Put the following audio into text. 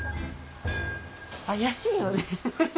怪しいよね